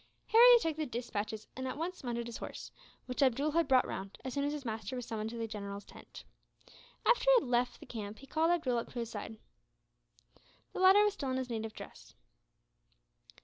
Harry took the despatches and at once mounted his horse; which Abdool had brought round, as soon as his master was summoned to the general's tent. After he had left the camp, he called Abdool up to his side. The latter was still in his native dress.